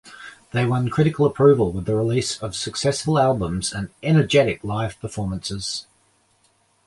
They won critical approval with the release of successful albums and energetic live performances.